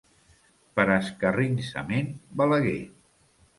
Per escarransiment, Balaguer.